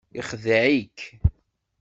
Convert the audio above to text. Ixdeɛ-ik.